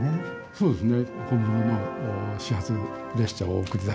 そうですね。